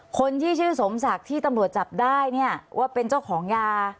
คนที่ชื่อสมศักดิ์ที่ตำรวจจับได้เนี่ยว่าเป็นเจ้าของยา